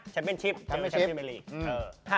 ชัมเป็นชิปเจอชัมป์ชิปในแมนลีก